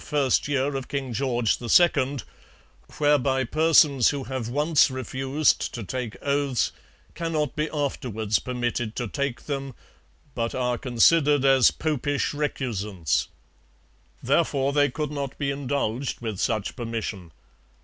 13, whereby persons who have once refused to take oaths cannot be afterwards permitted to take them, but are considered as Popish recusants.' Therefore they could not be indulged with such permission.